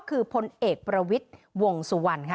คือพลเอกประวิทย์วงสุวรรณค่ะ